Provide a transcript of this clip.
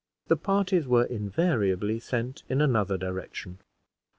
The parties were invariably sent in another direction.